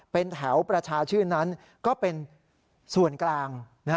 เป็นแถวประชาชื่นนั้นก็เป็นส่วนกลาง